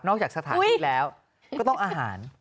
จากสถานที่แล้วก็ต้องอาหาร